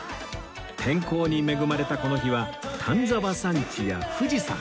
天候に恵まれたこの日は丹沢山地や富士山が